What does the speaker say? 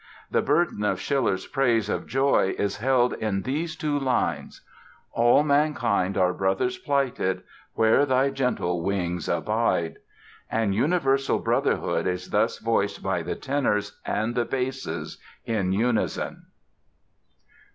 The burden of Schiller's praise of Joy is held in these two lines: "All mankind are brothers plighted Where thy gentle wings abide." And universal brotherhood is thus voiced by the tenors and the basses in unison.